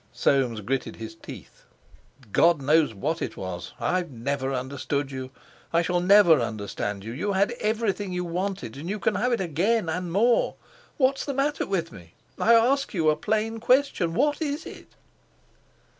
Soames gritted his teeth. "God knows what it was. I've never understood you; I shall never understand you. You had everything you wanted; and you can have it again, and more. What's the matter with me? I ask you a plain question: What is it?"